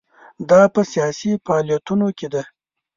دا په سیاسي فعالیتونو کې ده.